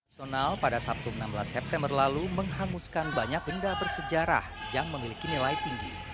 onal pada sabtu enam belas september lalu menghanguskan banyak benda bersejarah yang memiliki nilai tinggi